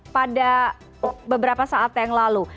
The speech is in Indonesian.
pada beberapa saat yang lalu